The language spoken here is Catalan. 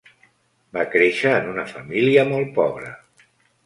Va créixer en una família molt pobre.